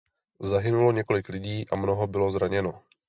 Zahynulo několik lidí a mnoho bylo zraněno.